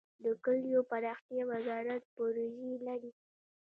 د کلیو پراختیا وزارت پروژې لري؟